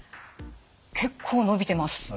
結構伸びてます。